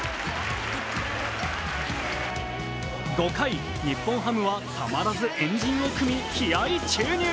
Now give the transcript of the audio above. ５回、日本ハムはたまらず円陣を組み気合い注入。